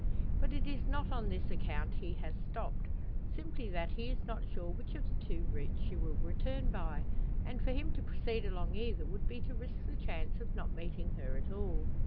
But it is not on this account he has stopped; simply that he is not sure which of the two routes she will return by and for him to proceed along either would be to risk the chance of not meeting her at all.